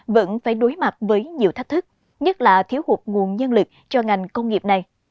vẫn phải đối mặt với nhiều thách thức nhất là thiếu hụt nguồn nhân lực cho ngành công nghiệp này